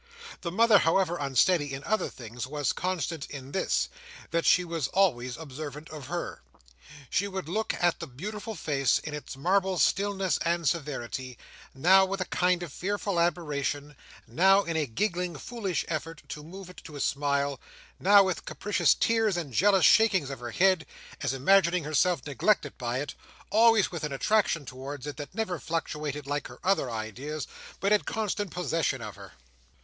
The mother, however unsteady in other things, was constant in this—that she was always observant of her. She would look at the beautiful face, in its marble stillness and severity, now with a kind of fearful admiration; now in a giggling foolish effort to move it to a smile; now with capricious tears and jealous shakings of her head, as imagining herself neglected by it; always with an attraction towards it, that never fluctuated like her other ideas, but had constant possession of her.